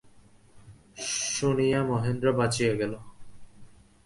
শুনিয়া মহেন্দ্র বাঁচিয়া গেল।